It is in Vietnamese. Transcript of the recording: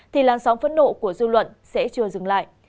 thì làn sóng phẫn nộ của dư luận sẽ chưa dừng lại